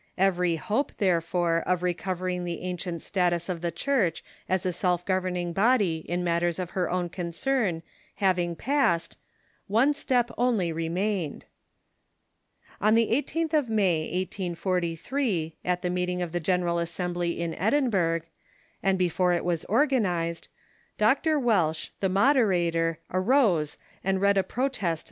Every hope, therefore, of recovering the an cient status of the Church as a self governing body in matters of her own concern having passed, one step only remained. On the 18th of May, 1843, at the meeting of the General Assembly in Edinburgh, and before it was organized. Dr. Welsh, the moderator, arose and read a protest Consummation ., i %..,.